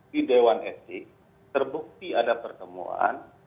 di dewan etik terbukti ada pertemuan